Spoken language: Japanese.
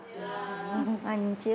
こんにちは。